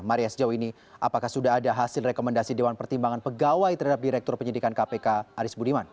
maria sejauh ini apakah sudah ada hasil rekomendasi dewan pertimbangan pegawai terhadap direktur penyidikan kpk aris budiman